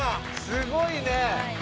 すごいね。